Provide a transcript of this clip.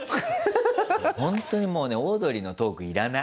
ほんとにもうねオードリーのトーク要らない。